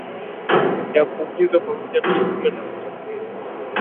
ya kuingizwa pamoja na chakula na vitafunio